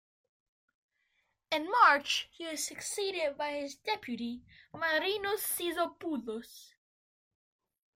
In March he was succeeded by his deputy Marinos Sizopoulos.